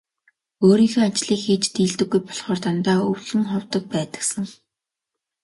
Өдрийнхөө ажлыг хийж дийлдэггүй болохоор дандаа өлөн ховдог байдагсан.